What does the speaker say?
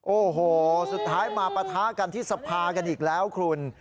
โอ้โหสุดท้ายมาปะทะกันที่สภากันอีกแล้วคุณ